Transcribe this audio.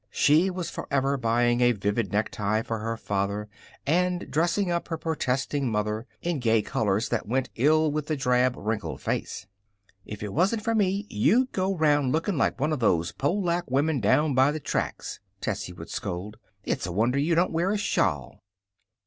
She was forever buying a vivid necktie for her father and dressing up her protesting mother in gay colors that went ill with the drab, wrinkled face. "If it wasn't for me, you'd go round looking like one of those Polack women down by the tracks," Tessie would scold. "It's a wonder you don't wear a shawl!"